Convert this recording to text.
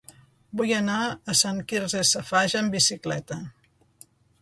Vull anar a Sant Quirze Safaja amb bicicleta.